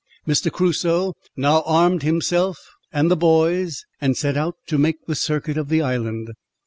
Mr. Crusoe now armed both himself and the boys, and set out to make the circuit of the island.